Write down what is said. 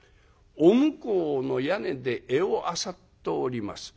お向こうの屋根で餌をあさっております。